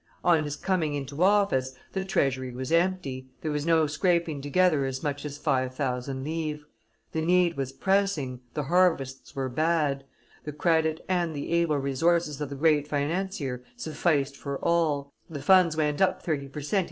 On his coming into office, the treasury was empty, there was no scraping together as much as five thousand livres. The need was pressing, the harvests were bad; the credit and the able resources of the great financier sufficed for all; the funds went up thirty percent.